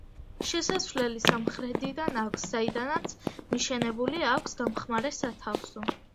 შესასვლელი სამხრეთიდან აქვს, საიდანაც მიშენებული აქვს დამხმარე სათავსო.